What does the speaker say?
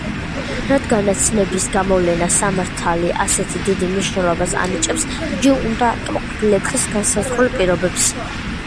რადგანაც ნების გამოვლენას სამართალი ასეთ დიდ მნიშვნელობას ანიჭებს, იგი უნდა აკმაყოფილებდეს განსაზღვრულ პირობებს.